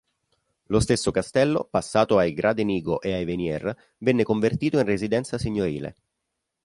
Lo stesso castello, passato ai Gradenigo e ai Venier, venne convertito in residenza signorile.